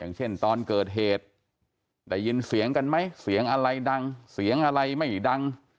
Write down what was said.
เช่นตอนเกิดเหตุได้ยินเสียงกันไหมเสียงอะไรดังเสียงอะไรไม่ดัง